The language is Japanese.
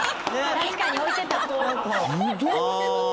確かに置いてた。